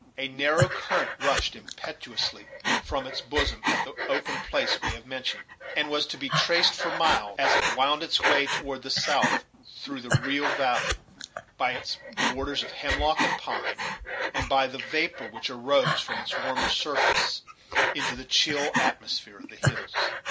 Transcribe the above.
A narrow current rushed impetuously from its bosom at the open place we have mentioned, and was to be traced for miles, as it wound its way toward the south through the real valley, by its borders of hemlock and pine, and by the vapor which arose from its warmer surface into the chill atmosphere of the hills.